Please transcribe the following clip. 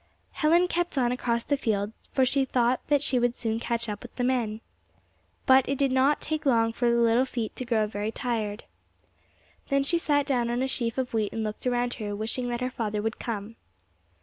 Helen kept on across the field, for she thought that she would soon catch up with the men. But it did not take long for the little feet to grow very tired. Then she sat down on a sheaf of wheat and looked around her, wishing that her father would come.